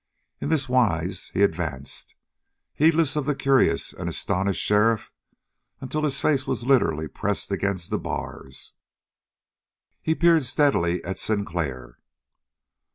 In this wise he advanced, heedless of the curious and astonished sheriff, until his face was literally pressed against the bars. He peered steadily at Sinclair.